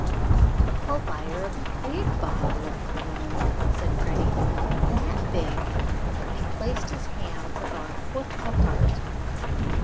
"I'll buy her a big bottle of cologne," said Freddie. "That big!" and he placed his hands about a foot apart.